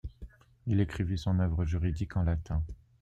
Il écrivit son œuvre juridique en latin.